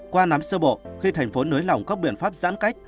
qua nắm sơ bộ khi thành phố nới lỏng các biện pháp giãn cách